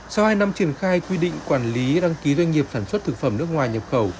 sau hai năm triển khai quy định quản lý đăng ký doanh nghiệp sản xuất thực phẩm nước ngoài nhập khẩu